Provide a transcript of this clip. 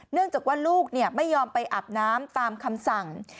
เนื่องจากว่าลูกไม่ยอมไปอาบน้ำตามคำสั่ง